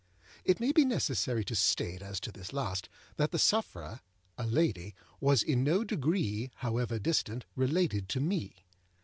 It may be necessary to state as to this last, that the sufferer (a lady) was in no degree, however distant, related to me.